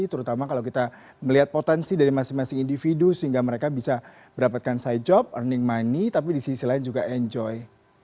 terutama kalau kita melihat potensi dari masing masing individu sehingga mereka bisa mendapatkan side job earning money tapi di sisi lain juga enjoy